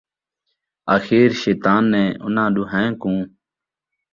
اَخیر شیطان نے اُنہاں ݙُوہائیں کُوں